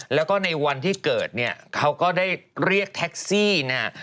แล้วก็ในวันที่เกิดเนี่ยเขาก็ได้เรียกแท็กซี่นะฮะ